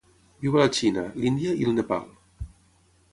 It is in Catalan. Viu a la Xina, l'Índia i el Nepal.